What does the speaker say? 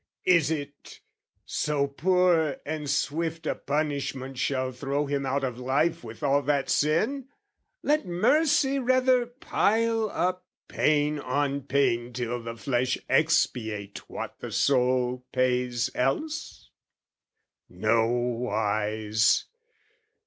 Is it "So poor and swift a punishment "Shall throw him out of life with all that sin? "Let mercy rather pile up pain on pain "Till the flesh expiate what the soul pays else?" Nowise!